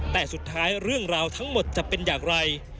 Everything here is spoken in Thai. แต่สุดท้ายเรื่องราวทั้งหมดจะเป็นอย่างไร